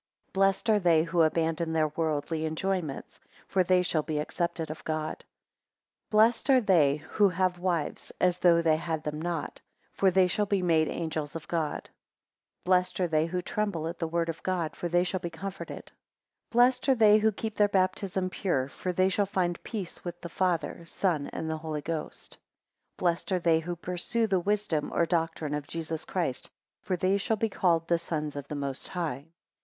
15 Blessed are they who abandon their worldly enjoyments; for they shall be accepted of God. 16 Blessed are they who have wives, as though they had them not; for they shall be made angels of God. 17 Blessed are they who tremble at the word of God; for they shall be comforted. 18 Blessed are they who keep their baptism pure; for they shall find peace with the Father, Son, and Holy Ghost. 19 Blessed are they who pursue the wisdom or doctrine of Jesus Christ; for they shall be called the sons of the Most High.